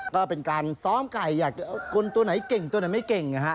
ก็เป็นการซ้อมไก่อยากจะเอาคนตัวไหนเก่งตัวไหนไม่เก่งนะฮะ